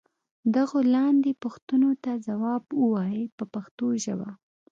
دغو لاندې پوښتنو ته ځواب و وایئ په پښتو ژبه.